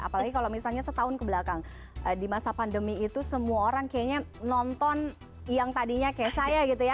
apalagi kalau misalnya setahun kebelakang di masa pandemi itu semua orang kayaknya nonton yang tadinya kayak saya gitu ya